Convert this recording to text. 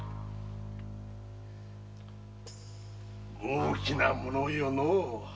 豪気なものよのう。